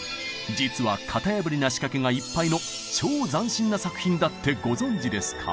実は型破りな仕掛けがいっぱいの超斬新な作品だってご存じですか？